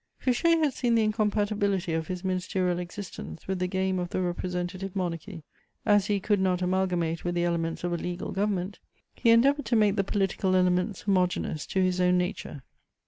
Fouché had seen the incompatibility of his ministerial existence with the game of the Representative Monarchy: as he could not amalgamate with the elements of a legal government, he endeavoured to make the political elements homogeneous to his own nature.